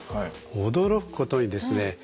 驚くことにですね